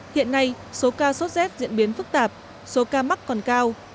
hiện nay số ca sốt z diễn biến phức tạp số ca mắc còn cao